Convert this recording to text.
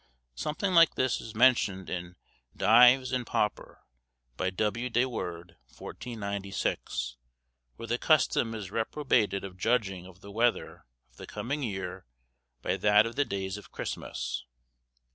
Something like this is mentioned in 'Dives and Pauper,' by W. de Worde, 1496, where the custom is reprobated of judging of the weather of the coming year by that of the days of Christmas.